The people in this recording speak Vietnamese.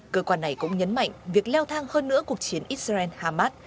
cơ quan này cũng nhấn mạnh việc leo thang hơn nữa cuộc chiến israel hamas